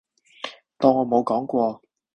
當我冇講過